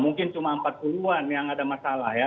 mungkin cuma empat puluh an yang ada masalah ya